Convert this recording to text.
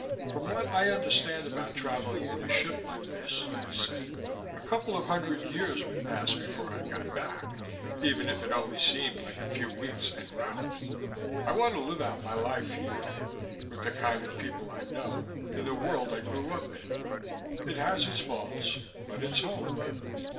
"From what I understand about traveling in a ship like this," I said, "a couple of hundred years would pass before I got back, even if it only seemed like a few weeks en route. I want to live out my life here with the kind of people I know, in the world I grew up in. It has its faults, but it's home."